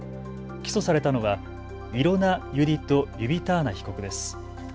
起訴されたのはイロナ・ユディト・ユビターナ被告です。